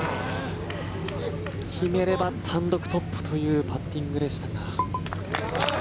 決めれば単独トップというパッティングでしたが。